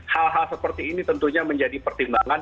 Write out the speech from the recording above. hal hal seperti ini tentunya menjadi pertimbangan